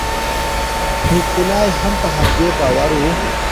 نیکولای هم په همدې باور و.